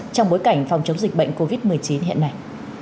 trong bối cảnh phòng chống dịch bệnh covid một mươi chín hiện nay